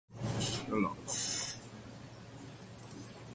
He was murdered in a synagogue while holding a sefer Torah.